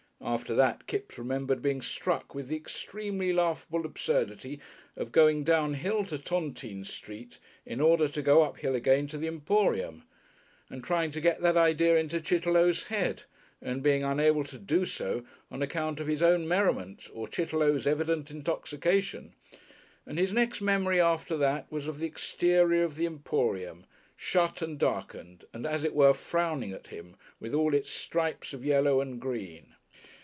After that Kipps remembered being struck with the extremely laughable absurdity of going down hill to Tontine Street in order to go up hill again to the Emporium, and trying to get that idea into Chitterlow's head and being unable to do so on account of his own merriment or Chitterlow's evident intoxication, and his next memory after that was of the exterior of the Emporium, shut and darkened, and, as it were, frowning at him with all its stripes of yellow and green.